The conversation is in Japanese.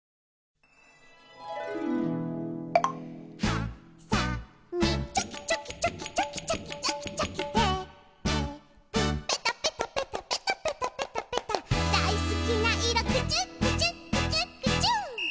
「はさみチョキチョキチョキチョキチョキチョキチョキ」「テープペタペタペタペタペタペタペタ」「だいすきないろクチュクチュクチュクチュ」